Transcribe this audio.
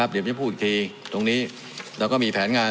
เดี๋ยวจะพูดอีกทีตรงนี้เราก็มีแผนงาน